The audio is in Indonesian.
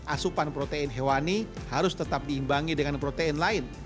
asupan protein hewani harus tetap diimbangi dengan protein lain